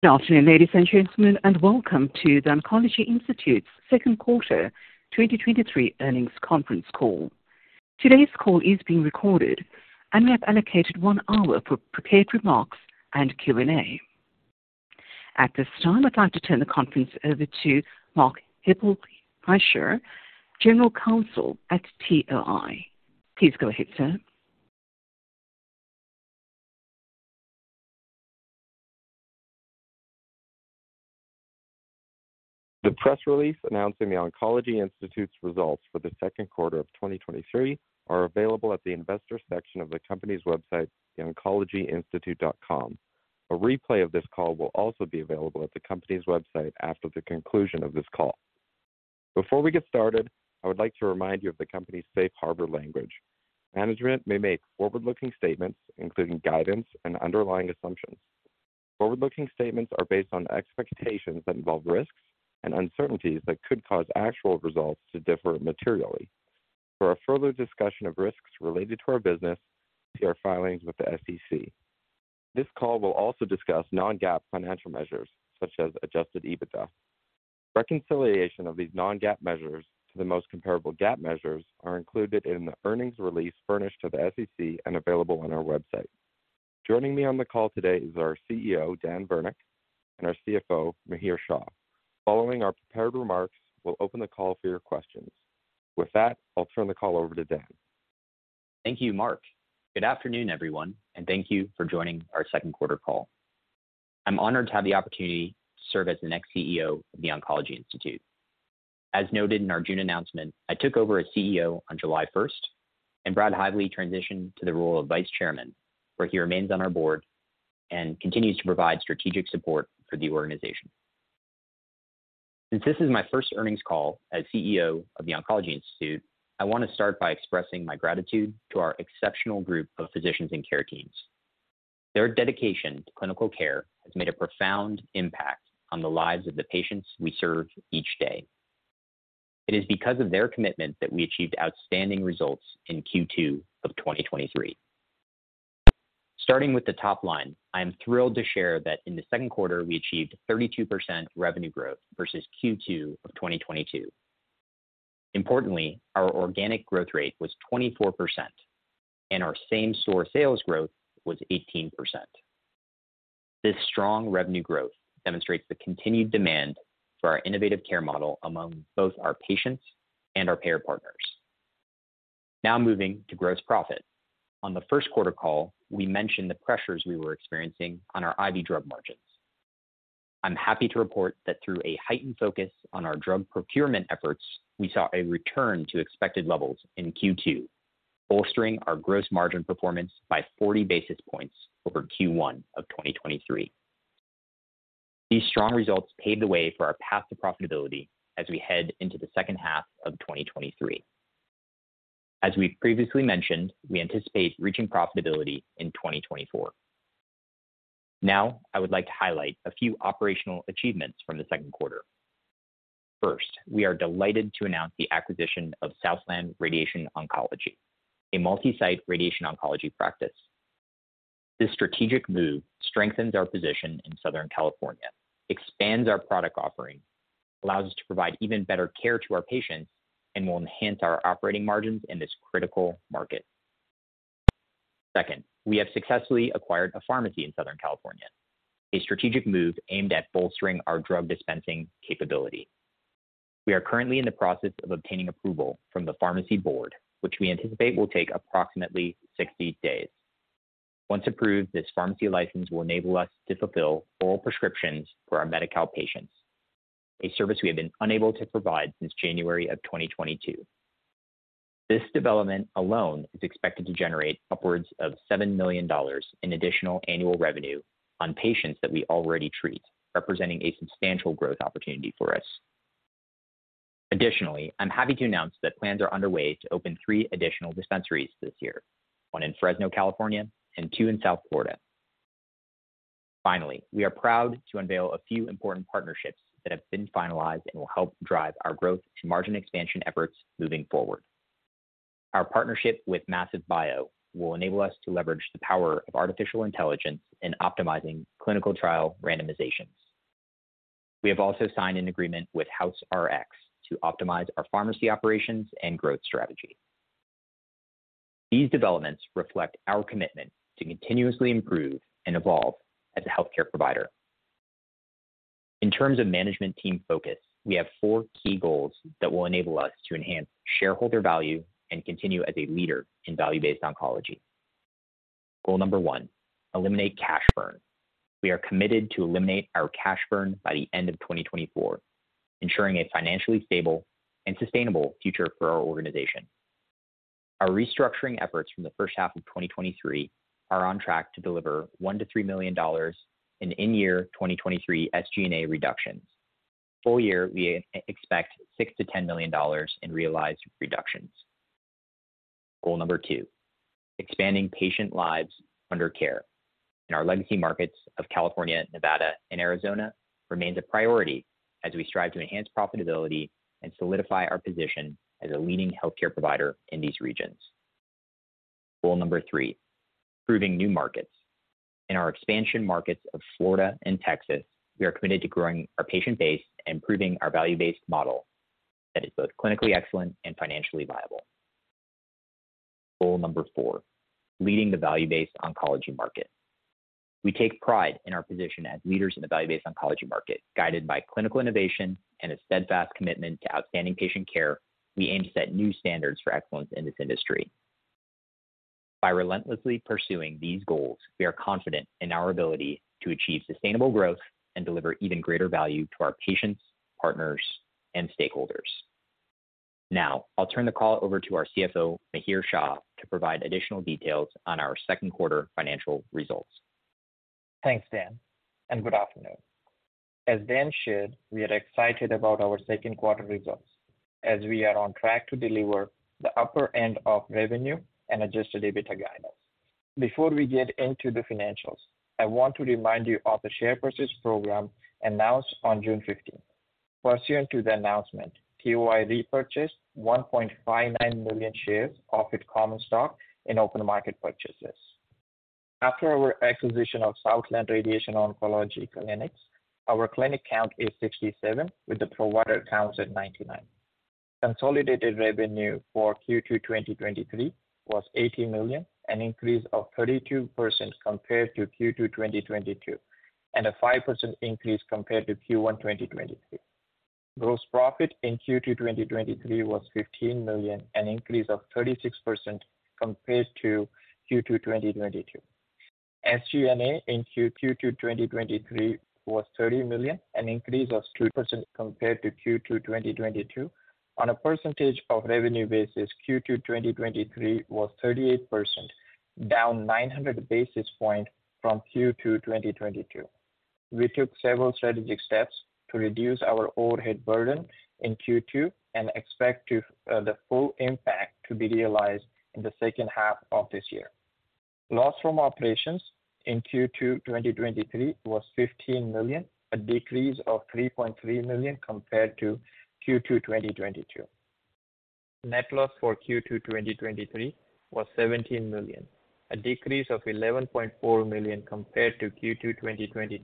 Good afternoon, ladies and gentlemen, and welcome to The Oncology Institute's Q2 2023 earnings conference call. Today's call is being recorded, and we have allocated 1 hour for prepared remarks and Q&A. At this time, I'd like to turn the conference over to Mark Hueppelsheuser, General Counsel at TOI. Please go ahead, sir. The press release announcing The Oncology Institute's results for the Q2 of 2023 are available at the investor section of the company's website, theoncologyinstitute.com. A replay of this call will also be available at the company's website after the conclusion of this call. Before we get started, I would like to remind you of the company's safe harbor language. Management may make forward-looking statements, including guidance and underlying assumptions. Forward-looking statements are based on expectations that involve risks and uncertainties that could cause actual results to differ materially. For a further discussion of risks related to our business, see our filings with the SEC. This call will also discuss non-GAAP financial measures such as Adjusted EBITDA. Reconciliation of these non-GAAP measures to the most comparable GAAP measures are included in the earnings release furnished to the SEC and available on our website. Joining me on the call today is our CEO, Dan Virnich, and our CFO, Mihir Shah. Following our prepared remarks, we'll open the call for your questions. With that, I'll turn the call over to Dan. Thank you, Mark. Good afternoon, everyone, and thank you for joining our Q2 call. I'm honored to have the opportunity to serve as the next CEO of The Oncology Institute. As noted in our June announcement, I took over as CEO on July first, and Brad Hively transitioned to the role of Vice Chairman, where he remains on our board and continues to provide strategic support for the organization. Since this is my first earnings call as CEO of The Oncology Institute, I want to start by expressing my gratitude to our exceptional group of physicians and care teams. Their dedication to clinical care has made a profound impact on the lives of the patients we serve each day. It is because of their commitment that we achieved outstanding results in Q2 of 2023. Starting with the top line, I am thrilled to share that in the Q2, we achieved 32% revenue growth versus Q2 of 2022. Importantly, our organic growth rate was 24%, and our same-store sales growth was 18%. This strong revenue growth demonstrates the continued demand for our innovative care model among both our patients and our payer partners. Moving to gross profit. On the Q1 call, we mentioned the pressures we were experiencing on our IV drug margins. I'm happy to report that through a heightened focus on our drug procurement efforts, we saw a return to expected levels in Q2, bolstering our gross margin performance by 40 basis points over Q1 of 2023. These strong results paved the way for our path to profitability as we head into the second half of 2023. As we previously mentioned, we anticipate reaching profitability in 2024. Now, I would like to highlight a few operational achievements from the Q2. First, we are delighted to announce the acquisition of Southland Radiation Oncology, a multi-site radiation oncology practice. This strategic move strengthens our position in Southern California, expands our product offering, allows us to provide even better care to our patients, and will enhance our operating margins in this critical market. Second, we have successfully acquired a pharmacy in Southern California, a strategic move aimed at bolstering our drug dispensing capability. We are currently in the process of obtaining approval from the pharmacy board, which we anticipate will take approximately 60 days. Once approved, this pharmacy license will enable us to fulfill oral prescriptions for our Medi-Cal patients, a service we have been unable to provide since January of 2022. This development alone is expected to generate upwards of $7 million in additional annual revenue on patients that we already treat, representing a substantial growth opportunity for us. I'm happy to announce that plans are underway to open three additional dispensaries this year, one in Fresno, California, and two in South Florida. We are proud to unveil a few important partnerships that have been finalized and will help drive our growth and margin expansion efforts moving forward. Our partnership with Massive Bio will enable us to leverage the power of artificial intelligence in optimizing clinical trial randomizations. We have also signed an agreement with House Rx to optimize our pharmacy operations and growth strategy. These developments reflect our commitment to continuously improve and evolve as a healthcare provider. In terms of management team focus, we have four key goals that will enable us to enhance shareholder value and continue as a leader in value-based oncology. Goal number one: eliminate cash burn. We are committed to eliminate our cash burn by the end of 2024, ensuring a financially stable and sustainable future for our organization. Our restructuring efforts from the first half of 2023 are on track to deliver $1 million-$3 million in year 2023 SG&A reductions. Full year, we expect $6 million-$10 million in realized reductions. Goal number two: expanding patient lives under care in our legacy markets of California, Nevada, and Arizona remains a priority as we strive to enhance profitability and solidify our position as a leading healthcare provider in these regions. Goal number three: proving new markets. In our expansion markets of Florida and Texas, we are committed to growing our patient base and proving our value-based model that is both clinically excellent and financially viable. Goal number four: leading the value-based oncology market. We take pride in our position as leaders in the value-based oncology market, guided by clinical innovation and a steadfast commitment to outstanding patient care, we aim to set new standards for excellence in this industry. By relentlessly pursuing these goals, we are confident in our ability to achieve sustainable growth and deliver even greater value to our patients, partners, and stakeholders. Now, I'll turn the call over to our CFO, Mihir Shah, to provide additional details on our Q2 financial results. Thanks, Dan. Good afternoon. As Dan shared, we are excited about our Q2 results as we are on track to deliver the upper end of revenue and Adjusted EBITDA guidance. Before we get into the financials, I want to remind you of the share purchase program announced on June 15th. Pursuant to the announcement, TOI repurchased 1.59 million shares of its common stock in open market purchases. After our acquisition of Southland Radiation Oncology Network, our clinic count is 67, with the provider count at 99. Consolidated revenue for Q2 2023 was $80 million, an increase of 32% compared to Q2 2022. A 5% increase compared to Q1 2023. Gross profit in Q2 2023 was $15 million, an increase of 36% compared to Q2 2022. SG&A in Q2, 2023 was $30 million, an increase of 2% compared to Q2, 2022. On a percentage of revenue basis, Q2, 2023 was 38%, down 900 basis points from Q2, 2022. We took several strategic steps to reduce our overhead burden in Q2 and expect the full impact to be realized in the second half of this year. Loss from operations in Q2, 2023 was $15 million, a decrease of $3.3 million compared to Q2, 2022. Net loss for Q2, 2023 was $17 million, a decrease of $11.4 million compared to Q2, 2022,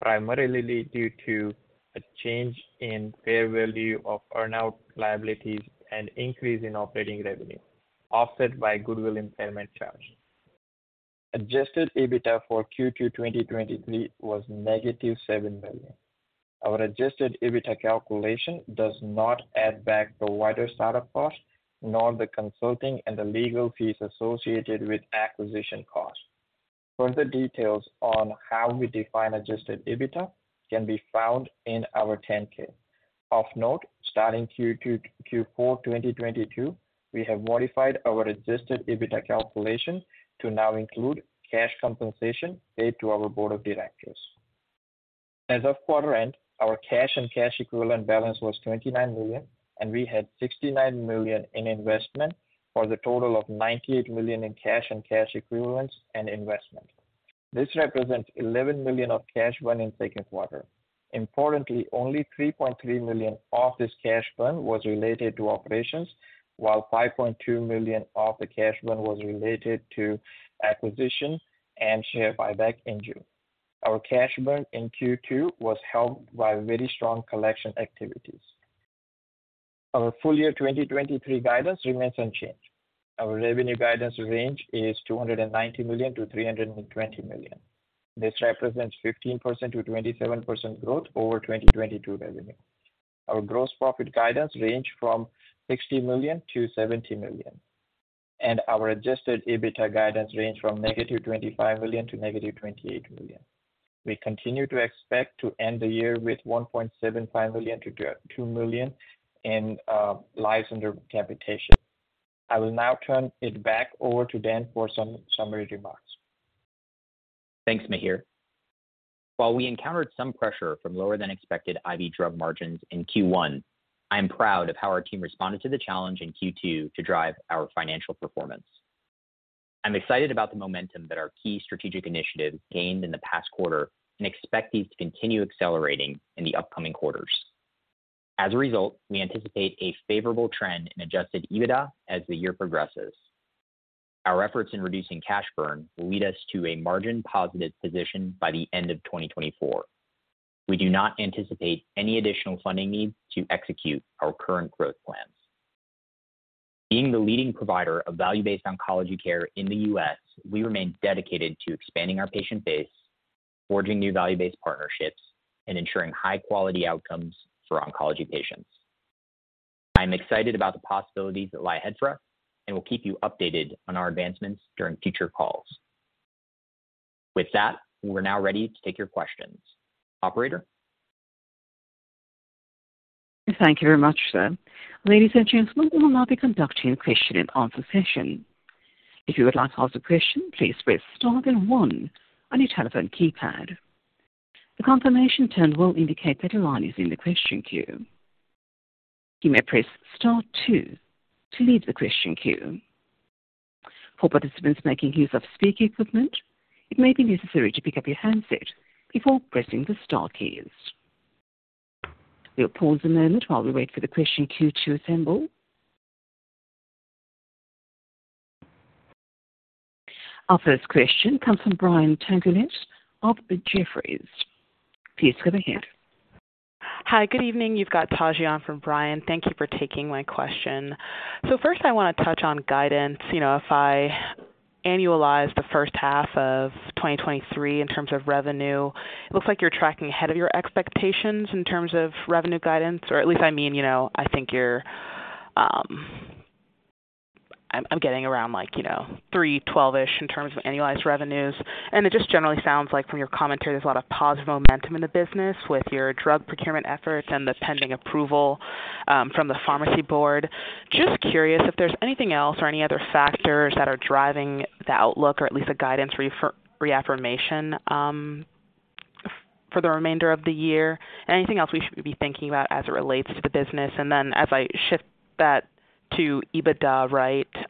primarily due to a change in fair value of earnout liabilities and increase in operating revenue, offset by goodwill impairment charge. Adjusted EBITDA for Q2, 2023 was negative $7 million. Our Adjusted EBITDA calculation does not add back the wider startup cost, nor the consulting and the legal fees associated with acquisition costs. Further details on how we define Adjusted EBITDA can be found in our 10-K. Of note, starting Q4, 2022, we have modified our Adjusted EBITDA calculation to now include cash compensation paid to our board of directors. As of quarter end, our cash and cash equivalent balance was $29 million, and we had $69 million in investment for the total of $98 million in cash and cash equivalents and investment. This represents $11 million of cash burn in Q2. Importantly, only $3.3 million of this cash burn was related to operations, while $5.2 million of the cash burn was related to acquisition and share buyback in June. Our cash burn in Q2 was helped by very strong collection activities. Our full year 2023 guidance remains unchanged. Our revenue guidance range is $290 million-$320 million. This represents 15%-27% growth over 2022 revenue. Our gross profit guidance range from $60 million-$70 million, and our Adjusted EBITDA guidance range from -$25 million to -$28 million. We continue to expect to end the year with 1.75 million-2 million lives under capitation. I will now turn it back over to Dan for some summary remarks. Thanks, Mihir. While we encountered some pressure from lower than expected IV drug margins in Q1, I am proud of how our team responded to the challenge in Q2 to drive our financial performance. I'm excited about the momentum that our key strategic initiatives gained in the past quarter and expect these to continue accelerating in the upcoming quarters. As a result, we anticipate a favorable trend in Adjusted EBITDA as the year progresses. Our efforts in reducing cash burn will lead us to a margin-positive position by the end of 2024. We do not anticipate any additional funding needs to execute our current growth plans. Being the leading provider of value-based oncology care in the U.S., we remain dedicated to expanding our patient base, forging new value-based partnerships, and ensuring high-quality outcomes for oncology patients. I'm excited about the possibilities that lie ahead for us and will keep you updated on our advancements during future calls. With that, we're now ready to take your questions. Operator? Thank you very much, sir. Ladies and gentlemen, we will now be conducting a question and answer session. If you would like to ask a question, please press star then one on your telephone keypad. The confirmation tone will indicate that your line is in the question queue. You may press star two to leave the question queue. For participants making use of speaker equipment, it may be necessary to pick up your handset before pressing the star keys. We'll pause a moment while we wait for the question queue to assemble. Our first question comes from Brian Tanquilut of Jefferies. Please go ahead. Hi, good evening. You've got Taji on for Brian Tanquilut. Thank you for taking my question. First, I want to touch on guidance., if I annualize the first half of 2023 in terms of revenue, it looks like you're tracking ahead of your expectations in terms of revenue guidance, or at least, I mean I think you're, I'm, I'm getting around, like $312-ish in terms of annualized revenues. It just generally sounds like from your commentary, there's a lot of positive momentum in the business with your drug procurement efforts and the pending approval from the pharmacy board. Just curious if there's anything else or any other factors that are driving the outlook or at least the guidance reaffirmation for the remainder of the year, and anything else we should be thinking about as it relates to the business? As I shift that to EBITDA, right, if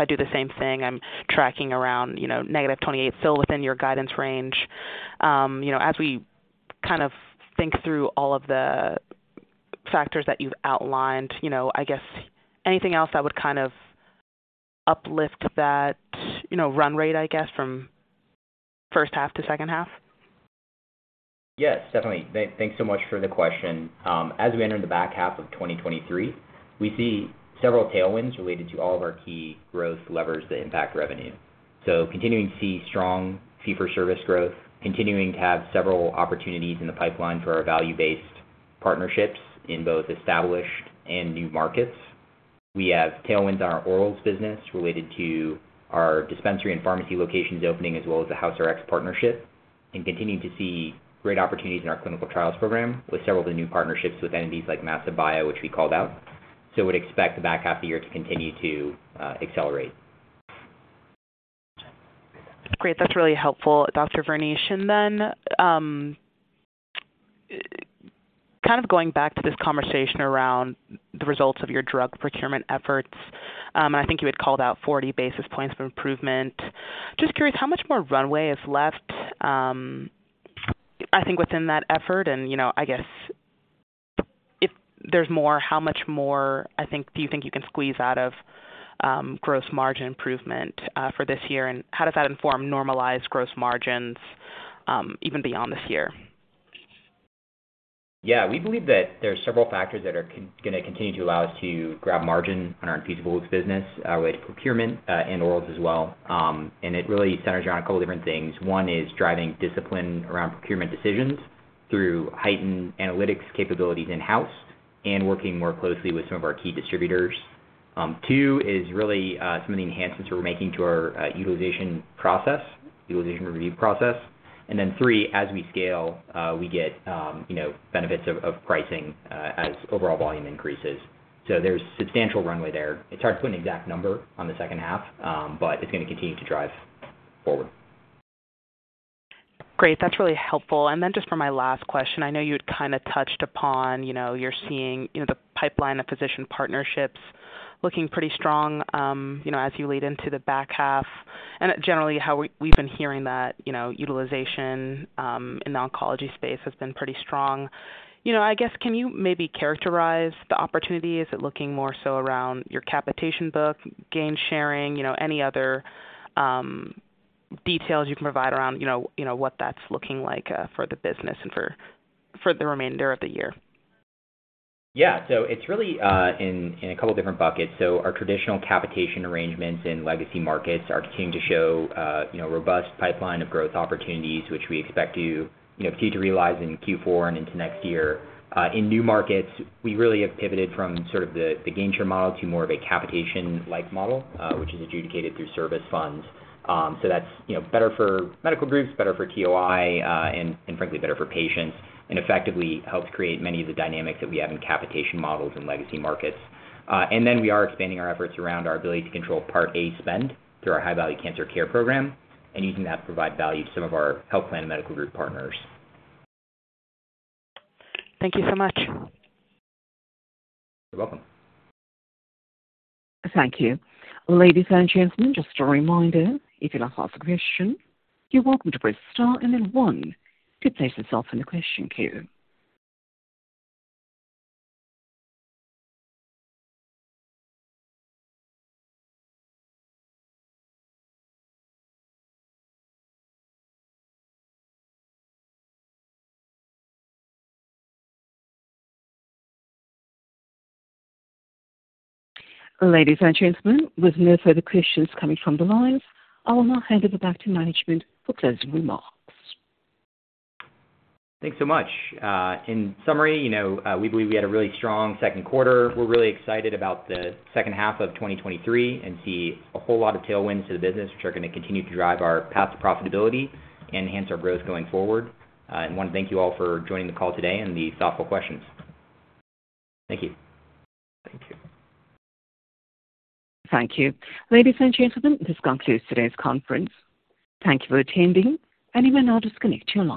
I do the same thing, I'm tracking around -$28, still within your guidance range., as we kind of think through all of the factors that you've outlined I guess anything else that would kind of uplift that run rate, I guess, from first half to second half? Yes, definitely. Thanks so much for the question. As we enter in the back half of 2023, we see several tailwinds related to all of our key growth levers that impact revenue. Continuing to see strong fee for service growth, continuing to have several opportunities in the pipeline for our value-based partnerships in both established and new markets. We have tailwinds in our orals business related to our dispensary and pharmacy locations opening, as well as the House Rx partnership, and continuing to see great opportunities in our clinical trials program with several of the new partnerships with entities like Massive Bio, which we called out. Would expect the back half of the year to continue to accelerate. Great. That's really helpful, Dr. Virnich. Kind of going back to this conversation around the results of your drug procurement efforts, and I think you had called out 40 basis points of improvement. Just curious, how much more runway is left, I think within that effort, and I guess if there's more, how much more, I think, do you think you can squeeze out of gross margin improvement for this year? How does that inform normalized gross margins even beyond this year? Yeah, we believe that there are several factors that are gonna continue to allow us to grab margin on our infusibles business related to procurement and orals as well. It really centers around a couple different things. One is driving discipline around procurement decisions through heightened analytics capabilities in-house and working more closely with some of our key distributors. Two is really some of the enhancements we're making to our utilization process, utilization review process. Three, as we scale, we get benefits of pricing as overall volume increases. There's substantial runway there. It's hard to put an exact number on the second half, it's going to continue to drive forward. Great. That's really helpful. Then just for my last question, I know you had kind of touched upon you're seeing the pipeline of physician partnerships looking pretty strong as you lead into the back half, and generally how we've been hearing that utilization in the oncology space has been pretty strong., I guess, can you maybe characterize the opportunity? Is it looking more so around your capitation book, gain sharing any other details you can provide what that's looking like, for the business and for, for the remainder of the year? Yeah. It's really in a couple different buckets. Our traditional capitation arrangements in legacy markets are continuing to show robust pipeline of growth opportunities, which we expect to continue to realize in Q4 and into next year. In new markets, we really have pivoted from sort of the gain share model to more of a capitation-like model, which is adjudicated through service funds. that's better for medical groups, better for TOI, and, frankly, better for patients, and effectively helps create many of the dynamics that we have in capitation models in legacy markets. Then we are expanding our efforts around our ability to control Part A spend through our High-Value Cancer Care program and using that to provide value to some of our health plan and medical group partners. Thank you so much. You're welcome. Thank you. Ladies and gentlemen, just a reminder, if you'd like to ask a question, you're welcome to press star and then one to place yourself in the question queue. Ladies and gentlemen, with no further questions coming from the lines, I will now hand it back to management for closing remarks. Thanks so much. In summary we believe we had a really strong Q2. We're really excited about the second half of 2023 and see a whole lot of tailwinds to the business, which are going to continue to drive our path to profitability and enhance our growth going forward. I want to thank you all for joining the call today and the thoughtful questions. Thank you. Thank you. Thank you. Ladies and gentlemen, this concludes today's conference. Thank you for attending, and you may now disconnect your lines.